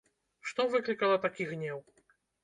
Што выклікала такі гнеў?